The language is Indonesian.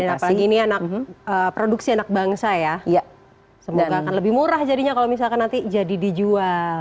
dan apalagi ini produksi anak bangsa ya semoga akan lebih murah jadinya kalau misalkan nanti jadi dijual